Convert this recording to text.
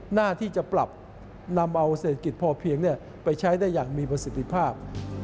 หน้าที่จะปรับนำเอาเศรษฐกิจพอเพียงไปใช้ได้อย่างมีประสิทธิภาพ